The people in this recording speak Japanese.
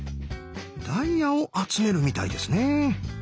ダイヤを集めるみたいですね。